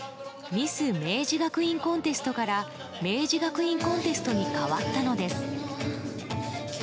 ミス明治学院コンテストから明治学院コンテストに変わったのです。